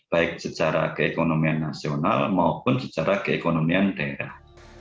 baik secara keekonomian nasional maupun secara keekonomian daerah